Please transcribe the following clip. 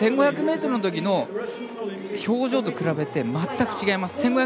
１５００ｍの時の表情と比べて全く違います。